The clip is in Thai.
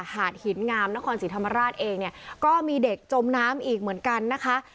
หาดหินงามนครศรีธรรมราชเองเนี่ยก็มีเด็กจมน้ำอีกเหมือนกันนะคะ